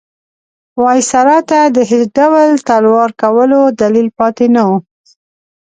وایسرا ته د هېڅ ډول تلوار کولو دلیل پاتې نه وو.